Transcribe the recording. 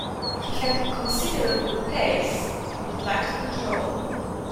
He had considerable pace but lacked control.